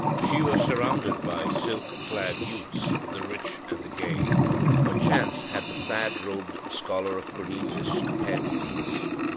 She was surrounded by silk clad youths the rich and gay. What chance had the sad robed scholar of Cornelius compared with these?